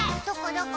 どこ？